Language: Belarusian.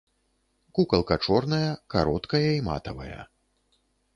Кукалка чорная, кароткая і матавая.